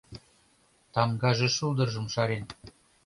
Тамгаже шулдыржым шарен.